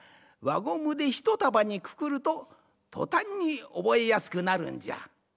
ゴムでひとたばにくくるととたんにおぼえやすくなるんじゃ。